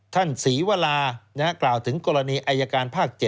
ศรีวรากล่าวถึงกรณีอายการภาค๗